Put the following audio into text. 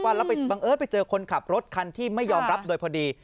แล้วไปบังเอิญไปเจอคนขับรถคันที่ไม่ยอมรับโดยพอดี